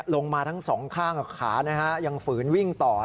ลงมาทั้งสองข้างกับขายังฝืนวิ่งต่อ